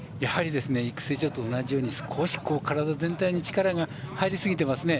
育成所と同じように少し体全体に力が入りすぎてますね。